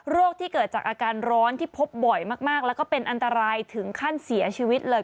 ที่เกิดจากอาการร้อนที่พบบ่อยมากแล้วก็เป็นอันตรายถึงขั้นเสียชีวิตเลย